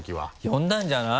読んだんじゃない？